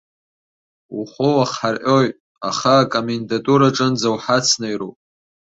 Ухәы уахҳарҟьоит, аха акомендатураҿынӡа уҳацнеироуп.